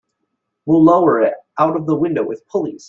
We'll lower it out of the window with pulleys.